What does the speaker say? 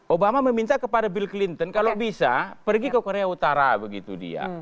obama meminta kepada bill clinton kalau bisa pergi ke korea utara begitu dia